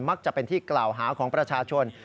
จะเป็นที่กล่าวหาของประชาชน